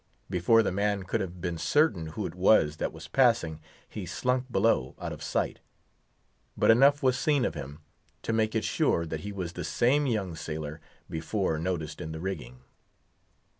Before the man could have been certain who it was that was passing, he slunk below out of sight. But enough was seen of him to make it sure that he was the same young sailor before noticed in the rigging.